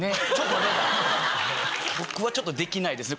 僕はちょっとできないですね